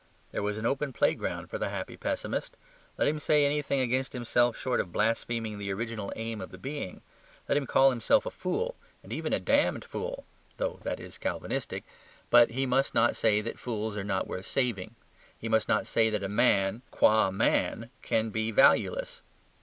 There was an open playground for the happy pessimist. Let him say anything against himself short of blaspheming the original aim of his being; let him call himself a fool and even a damned fool (though that is Calvinistic); but he must not say that fools are not worth saving. He must not say that a man, QUA man, can be valueless.